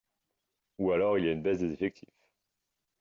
Ou alors il y a une baisse des effectifs.